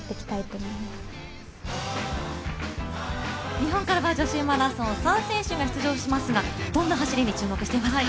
日本からは女子マラソン、３選手が出場しますがどんな走りに注目していますか？